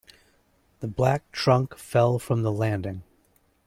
The black trunk fell from the landing.